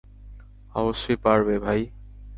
অবশ্যই পারবে, ভাই।